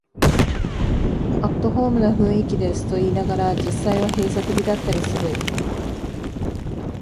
アットホームな雰囲気ですと言いながら、実際は閉鎖的だったりする